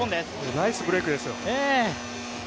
ナイスブレイクですよ。